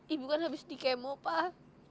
ibu kan sudah dikemo pak